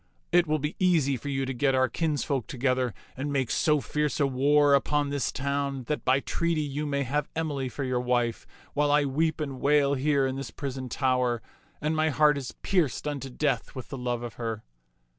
It will" be easy for you to get our kinsfolk together and make so fierce a war upon this town that by treaty you may have Emily for your wife, while I weep and wail here in this prison tower, and my heart is pierced unto death with the love of her."